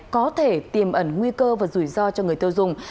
có thể tiềm ẩn nguy cơ và rủi ro cho người tiêu dùng